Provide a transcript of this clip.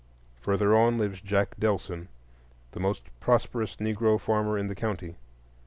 Further on lives Jack Delson, the most prosperous Negro farmer in the county.